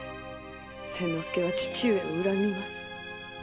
千之助は父上を恨みます。